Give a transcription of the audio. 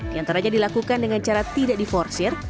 yang terakhir dilakukan dengan cara tidak diforsir